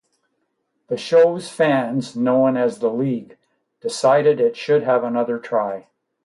The show's fans known as "The League" decided it should have another try.